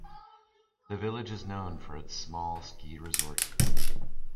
The village is known for its small ski resort.